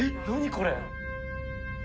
これ。